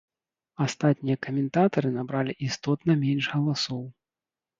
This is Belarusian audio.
Астатнія каментатары набралі істотна менш галасоў.